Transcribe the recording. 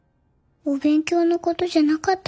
お勉強のことじゃなかった気がする。